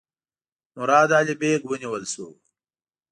مراد علي بیګ ونیول شو.